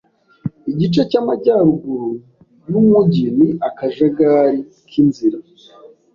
Igice cyamajyaruguru yumujyi ni akajagari k'inzira.